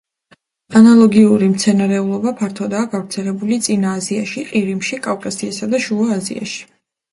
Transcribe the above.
ანალოგიური მცენარეულობა ფართოდაა გავრცელებული წინა აზიაში, ყირიმში, კავკასიასა და შუა აზიაში.